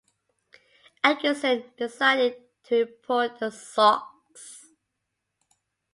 Atkinson decided to import the socks.